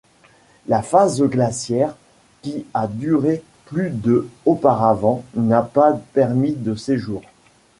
La phase glaciaire qui a duré plus de auparavant n'a pas permis de séjour.